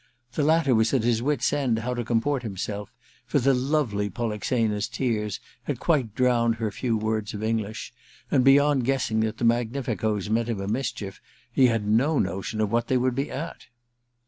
The ktter was at his wit's end how to comport himself, for the lovely Polixena*s tears had quite drowned her few words of English, and beyond guessing that the magnificoes meant him a mischief he had no notion what they would be at.